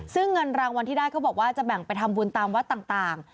ซึ่งเงินรางวัลที่ได้เขาบอกว่าจะแบ่งไปทำบุญตามวัดต่าง